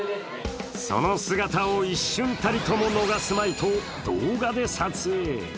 その姿を一瞬たりとも逃すまいと動画で撮影。